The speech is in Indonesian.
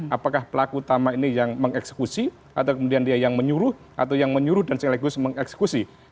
apakah pelaku utama ini yang mengeksekusi atau kemudian dia yang menyuruh atau yang menyuruh dan sekaligus mengeksekusi